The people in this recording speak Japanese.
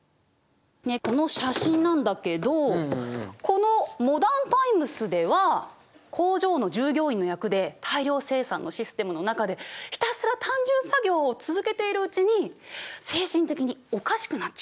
この写真なんだけどこの「モダン・タイムス」では工場の従業員の役で大量生産のシステムの中でひたすら単純作業を続けているうちに精神的におかしくなっちゃう。